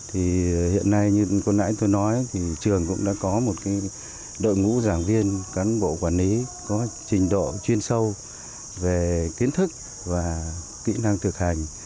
thì hiện nay như con nãi tôi nói thì trường cũng đã có một đội ngũ giảng viên cán bộ quản lý có trình độ chuyên sâu về kiến thức và kỹ năng thực hành